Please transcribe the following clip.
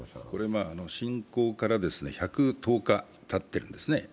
侵攻から１１０日たっているんですね。